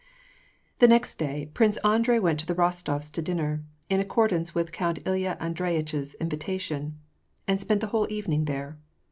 The next day. Prince Andrei went to the Rostof s' to dinner, in accordance with Count Ilya Andreyitch's invitation, and spent the whole evening there.